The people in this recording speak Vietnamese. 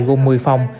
gồm một mươi phòng